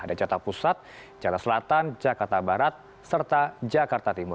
ada jatah pusat jakarta selatan jakarta barat serta jakarta timur